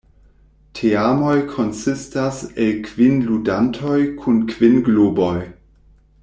Teamoj konsistas el kvin ludantoj kun kvin globoj.